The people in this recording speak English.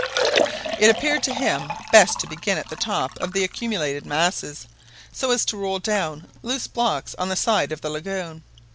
It appeared to him best to begin at the top of the accumulated masses, so as to roll down loose blocks on the side of the lagoon.